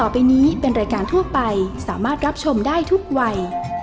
ไปนี้เป็นรายการทั่วไปสามารถรับชมได้ทุกวัย